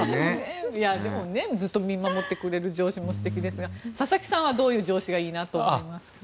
でもずっと見守ってくれる上司も素敵ですが佐々木さんはどういう上司がいいと思いますか。